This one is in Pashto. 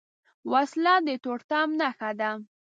وسله د تورتم نښه ده